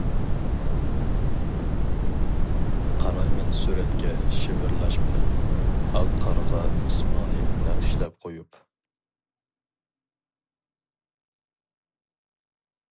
قارايمەن سۈرەتكە شىۋىرلاش بىلەن، ئاق قارغا ئىسمىڭنى نەقىشلەپ قويۇپ.